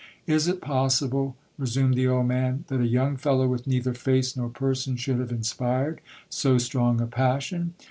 Is it possible, resumed the old man, that a young fellow with neither face nor person should have inspired so strong a passion